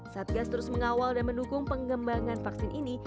satgas terus mengawal dan mendukung pengembangan vaksin ini